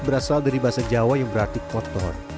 berasal dari bahasa jawa yang berarti kotor